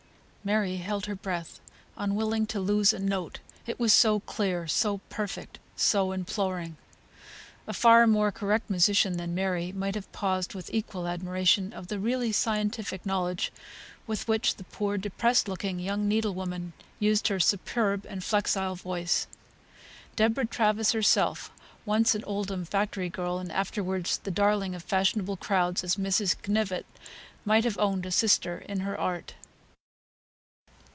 Mary held her breath, unwilling to lose a note, it was so clear, so perfect, so imploring. A far more correct musician than Mary might have paused with equal admiration of the really scientific knowledge, with which the poor depressed looking young needle woman used her superb and flexile voice. Deborah Travers herself (once an Oldham factory girl, and afterwards the darling of fashionable crowds as Mrs. Knyvett) might have owned a sister in her art.